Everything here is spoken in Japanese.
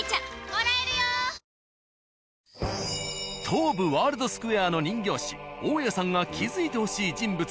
東武ワールドスクウェアの人形師大谷さんが気づいてほしい人物